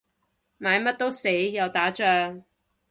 買乜都死，又打仗